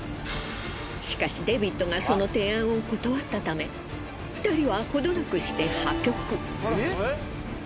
しかしデビッドがその提案を断ったため２人はほどなくして破局。